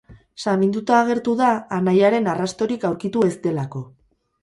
Saminduta agertu da, anaiaren arrastorik aurkitu ez delako.